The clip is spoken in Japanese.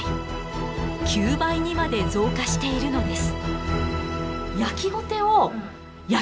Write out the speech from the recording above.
９倍にまで増加しているのです。